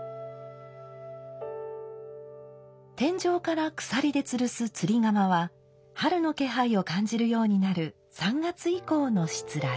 天井から鎖でつるす釣釜は春の気配を感じるようになる３月以降のしつらえ。